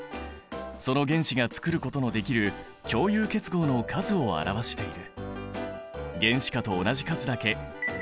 その原子がつくることのできる共有結合の数を表している。